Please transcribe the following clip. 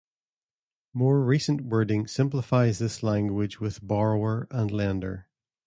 More recent wording simplifies this language with "Borrower" and "Lender.